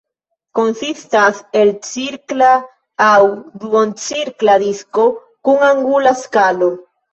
Konsistas el cirkla aŭ duoncirkla disko kun angula skalo.